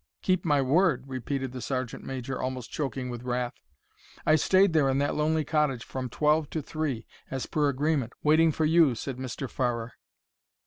"Keep my word?" repeated the sergeant major, almost choking with wrath. "I stayed there in that lonely cottage from twelve to three, as per agreement, waiting for you," said Mr. Farrer.